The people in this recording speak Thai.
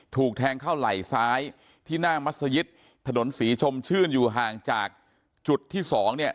ถูกแทงเข้าไหล่ซ้ายที่หน้ามัศยิตถนนศรีชมชื่นอยู่ห่างจากจุดที่สองเนี่ย